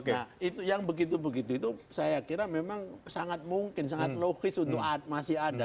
nah itu yang begitu begitu itu saya kira memang sangat mungkin sangat logis untuk masih ada